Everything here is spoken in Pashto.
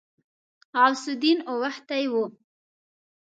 غوث الدين اوښتی و.